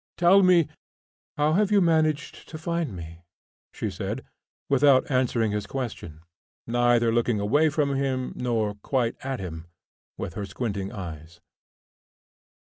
Tell me " "How have you managed to find me?" she said, without answering his question, neither looking away from him nor quite at him, with her squinting eyes.